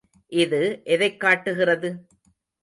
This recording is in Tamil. இது எதைக் காட்டுகிறது?